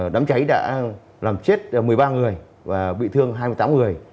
đám cháy đã làm chết một mươi ba người và bị thương hai mươi tám người